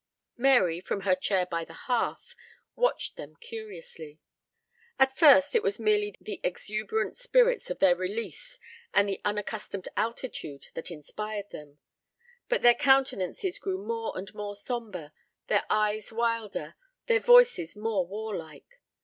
Mary, from her chair by the hearth, watched them curiously. At first it was merely the exuberant spirits of their release and the unaccustomed altitude that inspired them, but their countenances grew more and more sombre, their eyes wilder, their voices more war like.